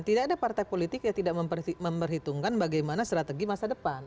tidak ada partai politik yang tidak memperhitungkan bagaimana strategi masa depan